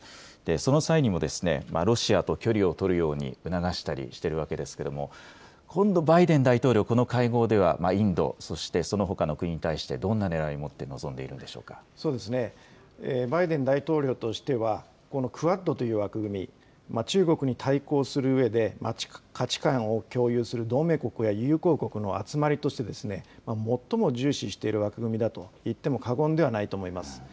その際にも、ロシアと距離をとるように促したりしているわけですけれども、今度バイデン大統領、この会合ではインド、そしてそのほかの国に対してどんなねらいをもって臨んでいるんでそうですね、バイデン大統領としては、このクアッドという枠組み、中国に対抗するうえで、価値観を共有する同盟国や友好国の集まりとして、最も重視している枠組みだといっても過言ではないと思います。